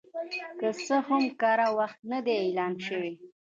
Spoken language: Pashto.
که څه هم کره وخت نه دی اعلان شوی